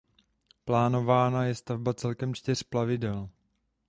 Plánována je stavba celkem čtyř plavidel.